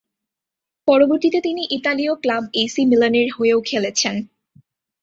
পরবর্তীতে তিনি ইতালীয় ক্লাব এসি মিলানের হয়েও খেলেছেন।